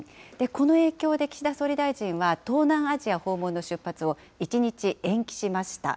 この影響で、岸田総理大臣は、東南アジア訪問の出発を１日延期しました。